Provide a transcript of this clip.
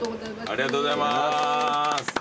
ありがとうございます。